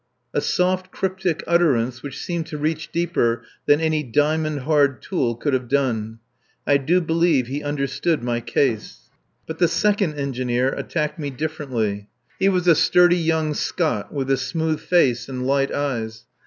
A soft, cryptic utterance which seemed to reach deeper than any diamond hard tool could have done. I do believe he understood my case. But the second engineer attacked me differently. He was a sturdy young Scot, with a smooth face and light eyes.